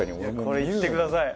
これいってください。